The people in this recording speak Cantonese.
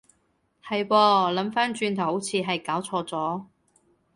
係噃，諗返轉頭好似係攪錯咗